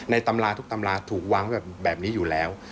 ตำราทุกตำราถูกวางไว้แบบนี้อยู่แล้ว